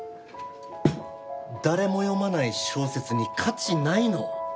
誰も読まない小説に価値ないの。